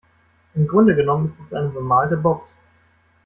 Im Grunde genommen ist es eine bemalte Box.